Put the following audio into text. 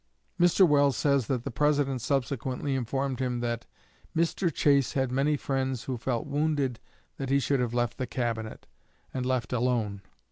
Mr. Welles says that the President subsequently informed him that "Mr. Chase had many friends who felt wounded that he should have left the Cabinet, and left alone.